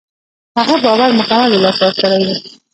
هغه باور مکمل له لاسه ورکړی و.